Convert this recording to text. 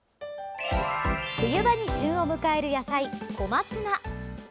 冬場に旬を迎える野菜小松菜。